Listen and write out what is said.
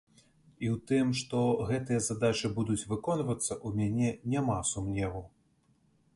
І ў тым, што гэтыя задачы будуць выконвацца, у мяне няма сумневу.